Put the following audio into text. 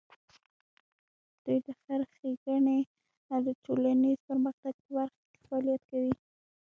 دوی د خیر ښېګڼې او د ټولنیز پرمختګ په برخه کې فعالیت کوي.